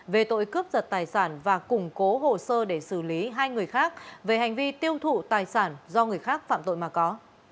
về tội cướp giật tài sản và củng cố hồ sơ để xử lý hai người khác về hành vi tiêu thụ tài sản do người khác phạm tội mà có